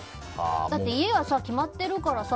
だって家は決まってるからさ。